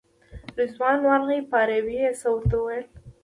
رضوان ورغی په عربي یې څه ورته وویل.